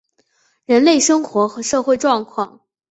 人类生活和社会状况